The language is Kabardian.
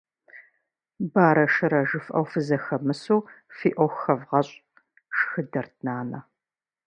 Барэ-шырэ жыфӏэу фызэхэмысу фи ӏуэху хэвгъэщӏ, - шхыдэрт нанэ.